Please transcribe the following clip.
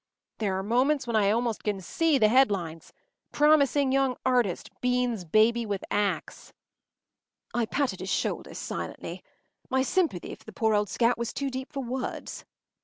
There are moments when I can almost see the headlines: ‘Promising Young Artist Beans Baby With Axe.’” I patted his shoulder silently. My sympathy for the poor old scout was too deep for words.